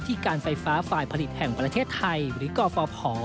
ที่การไฟฟ้าฝ่ายผลิตแห่งประเทศไทยหรือก็ฟอบห่อ